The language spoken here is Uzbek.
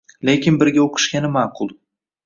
Lekin birga o‘qishgani ma’qul.